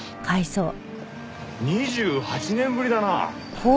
２８年ぶりだな。